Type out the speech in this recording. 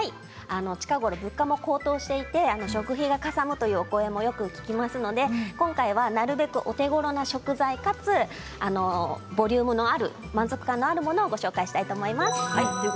近頃物価が高騰していて食事がかさむという声を聞きますので今日はなるべくお手ごろな食材かつボリュームのあるものをご紹介したいと思います。